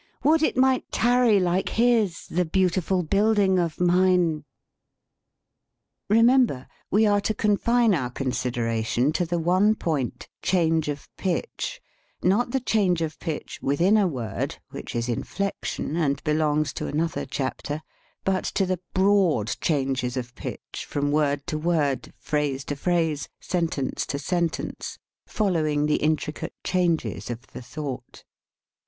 " Would it might tarry like his, the beautiful build ing of mine " Remember, we are to confine our consid eration to the one point, "change of pitch," not the change of pitch within a word, which is inflection and belongs to another chapter, but to the broad changes of pitch from word to word, phrase to phrase, sentence to sen tence, following the intricate changes of the thought.